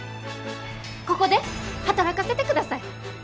ここで働かせてください。